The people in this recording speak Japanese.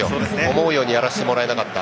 思うようにやらせてもらえなかった。